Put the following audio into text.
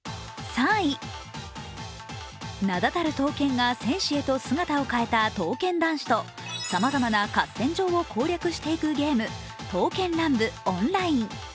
名だたる刀剣が戦士へと姿を変えた刀剣男士とさまざまな合戦場を攻略していくゲーム、「刀剣乱舞ＯＮＬＩＮＥ」。